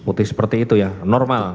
putih seperti itu ya normal